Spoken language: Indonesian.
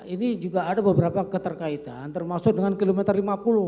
ini juga ada beberapa keterkaitan termasuk dengan kilometer lima puluh